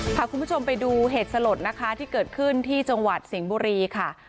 พาคุณผู้ชมไปดูเหตุสลดนะคะที่เกิดขึ้นที่จังหวัดสิงห์บุรีค่ะ